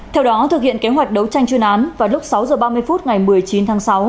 theo đó thực hiện kế hoạch đấu tranh chuyên án vào lúc sáu h ba mươi phút ngày một mươi chín tháng sáu